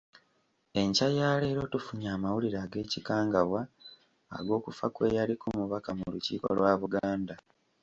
Enkya ya leero tufunye amawulire ag’ekikangabwa ag’okufa kwe yaliko omubaka mu Lukiiko lwa Buganda.